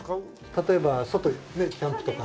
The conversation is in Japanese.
例えば外キャンプとか。